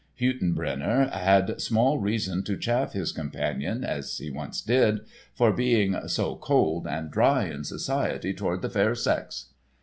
Hüttenbrenner had small reason to chaff his companion (as he once did) for being "so cold and dry in society toward the fair sex."